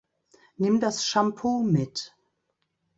Nimm das Shampoo mit.